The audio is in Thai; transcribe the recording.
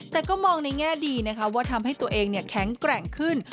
แต่ก็มองในแง่ดีนะคะว่าทำให้ตัวเองแข็งแกร่งขึ้น